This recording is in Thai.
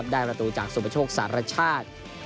ได้ประตูจากสุปโชคสารชาติ